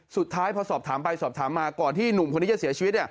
สุดท้ายพอสอบถามไปสอบถามมาก่อนที่หนุ่มคนนี้จะเสียชีวิต